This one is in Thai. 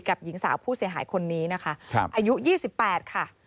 หญิงสาวผู้เสียหายคนนี้นะคะอายุ๒๘ค่ะ